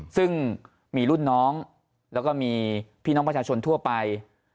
ซึ่งมีรุ่นน้องแล้วก็มีพี่น้องประชาชนทั่วไป